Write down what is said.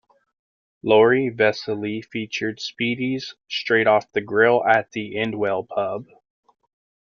Lori Vesely featured spiedies straight off the grill at The Endwell Pub.